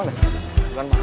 benar benar cara paham